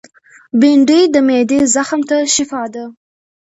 بېنډۍ د معدې زخم ته شفاء ده